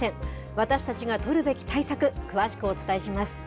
私たちが取るべき対策、詳しくお伝えします。